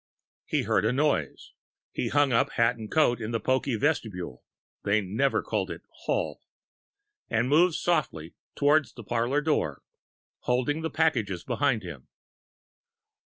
He heard a noise. He hung up hat and coat in the pokey vestibule (they never called it "hall") and moved softly towards the parlour door, holding the packages behind him.